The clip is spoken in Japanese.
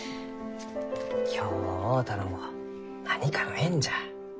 今日会うたのも何かの縁じゃ。